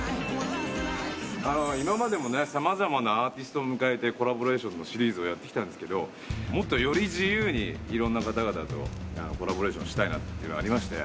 今までも様々なアーティストを迎えてコラボレーションのシリーズをやってきたんですがもっとより自由にいろんな方々とコラボレーションしたいなってありまして。